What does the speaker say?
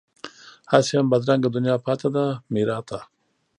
هسې هم بدرنګه دنیا پاتې ده میراته